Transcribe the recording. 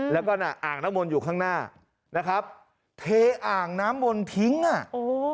แล้วก็น่ะอ่างน้ำมนต์อยู่ข้างหน้านะครับเทอ่างน้ำมนต์ทิ้งอ่ะโอ้